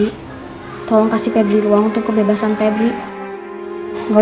itu kan kasih bapaknya